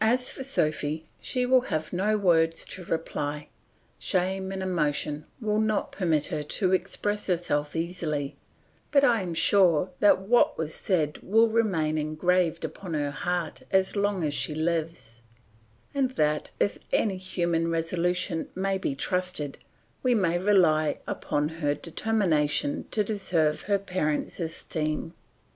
As for Sophy, she will have no words to reply; shame and emotion will not permit her to express herself easily; but I am sure that what was said will remain engraved upon her heart as long as she lives, and that if any human resolution may be trusted, we may rely on her determination to deserve her parent's esteem.